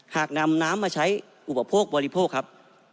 หากนำน้ำมาใช้อุปโภคบริโภคครับ